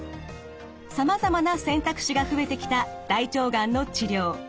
さまざまな選択肢が増えてきた大腸がんの治療。